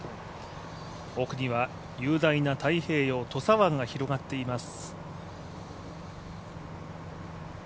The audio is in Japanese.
奥には雄大な太平洋土佐湾が広がっています。